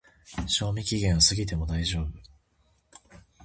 賞味期限は過ぎても大丈夫